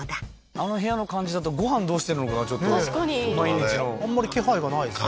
あの部屋の感じだとご飯どうしてるのかがちょっと確かにあんまり気配がないですよね